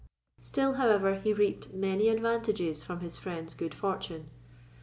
Still, however, he reaped many advantages from his friend's good fortune.